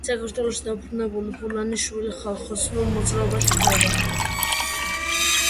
საქართველოში დაბრუნებული ბილანიშვილი ხალხოსნურ მოძრაობაში ჩაება.